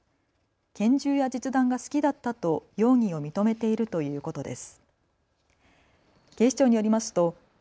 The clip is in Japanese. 拳銃や実弾が好きだったと容疑を認めているということです。